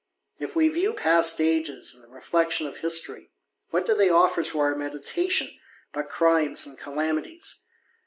If we view past ages in the reflection of history, what do they offer to our meditation but crimes and calamities